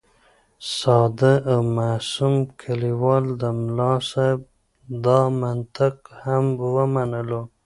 ساده او معصوم کلیوال د ملا صاحب دا منطق هم ومنلو.